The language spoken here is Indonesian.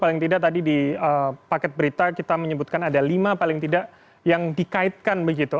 paling tidak tadi di paket berita kita menyebutkan ada lima paling tidak yang dikaitkan begitu